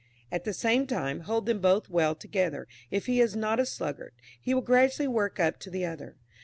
At the same time, hold them both well together; if he is not a sluggard, he will gradually work up to the other.